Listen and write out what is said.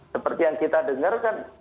seperti yang kita dengar kan